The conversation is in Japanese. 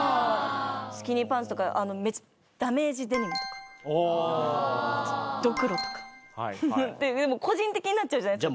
スキニーパンツとかダメージデニムとかドクロとかウフフでも個人的になっちゃうじゃないですか。